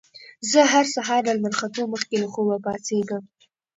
زه هر سهار له لمر ختو مخکې له خوبه پاڅېږم